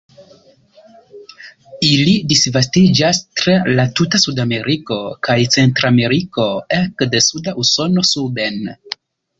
Ili disvastiĝas tra tuta Sudameriko kaj Centrameriko ekde suda Usono suben.